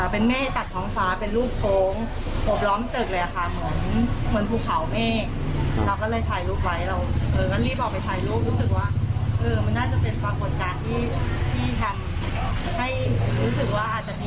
ปีเก่าต้อนรับปีใหม่ก็ได้นะคะเป็นปรากฏการณ์ที่เราไม่เคยเห็นมาก่อน